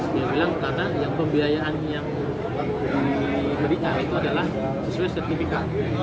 dia bilang karena yang pembiayaan yang diberikan itu adalah sesuai sertifikat